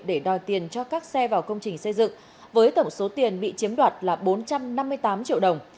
để đòi tiền cho các xe vào công trình xây dựng với tổng số tiền bị chiếm đoạt là bốn trăm năm mươi tám triệu đồng